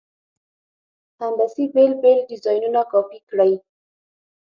هندسي بېل بېل ډیزاینونه کاپي کړئ.